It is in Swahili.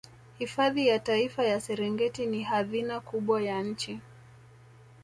hifadhi ya taifa ya serengeti ni hadhina kubwa ya nchi